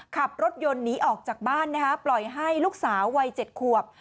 ขับรถยนต์หนีออกจากบ้านนะคะปล่อยให้ลูกสาววัย๗ขวบ